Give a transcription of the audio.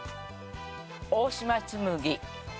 大島紬。